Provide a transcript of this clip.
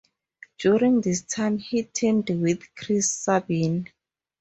During this time, he teamed with Chris Sabin.